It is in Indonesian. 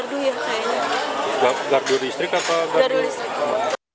sebelum terbakar api berkobar di jalan anggrek setiabudi jakarta selatan pada kamis malam